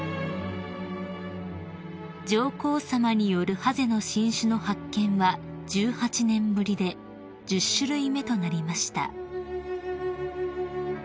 ［上皇さまによるハゼの新種の発見は１８年ぶりで１０種類目となりました］